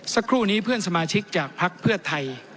สักครู่นี้เพื่อนสมาชิกจากภักดิ์เพื่อไทย